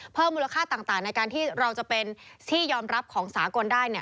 เพิ่มมูลค่าต่างในการที่เราจะเป็นที่ยอมรับของสากลได้เนี่ย